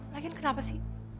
lagian kenapa sih